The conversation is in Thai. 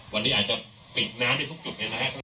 วันนี้อาจจะปิดน้ำในทุกจุด